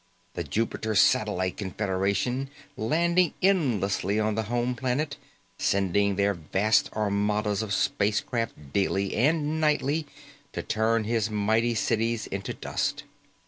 The Jupiter Satellite Confederation landing endlessly on the home planet, sending their vast armadas of spacecraft daily and nightly to turn his mighty cities into dust.